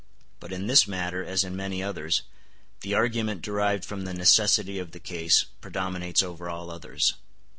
But in this matter, as in many others, the argument derived from the necessity of the case predominates over all others.